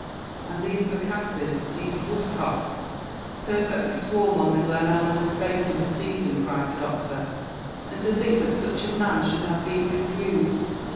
"And these bécasses, these woodcocks, perfectly swarm on the Glenallan estate in the season," cried the Doctor; "and to think that such a man should have been refused.